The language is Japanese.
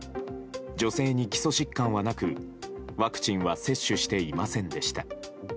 女性に基礎疾患はなくワクチンは接種していませんでした。